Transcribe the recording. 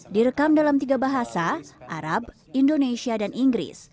direkam dalam tiga bahasa arab indonesia dan inggris